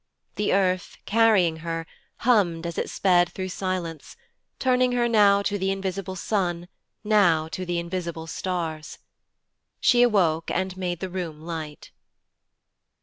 The earth, carrying her, hummed as it sped through silence, turning her now to the invisible sun, now to the invisible stars. She awoke and made the room light.